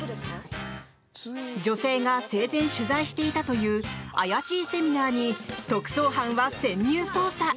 女性が生前、取材していたという怪しいセミナーに特捜班は潜入捜査。